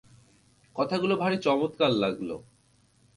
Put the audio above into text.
কথাগুলো ভারী চমৎকার লাগল।